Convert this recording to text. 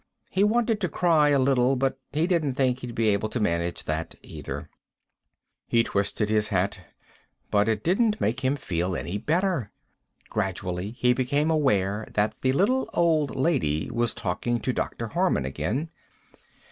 He wanted to cry, a little, but he didn't think he'd be able to manage that either. He twisted his hat, but it didn't make him feel any better. Gradually, he became aware that the little old lady was talking to Dr. Harman again.